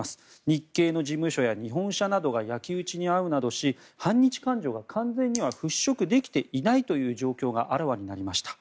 日系の事務所や日本車などが焼き討ちに遭うなどして反日感情が、完全には払しょくできていないという状況があらわになりました。